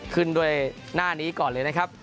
ขึ้นด้วยหน้านี้ก่อนเลยนะครับ